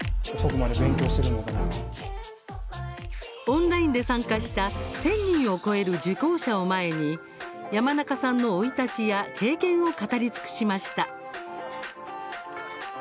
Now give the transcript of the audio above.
オンラインで参加した１０００人を超える受講者を前に山中さんの生い立ちや経験を語り尽くしました。